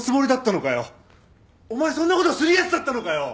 お前そんなことするやつだったのかよ！？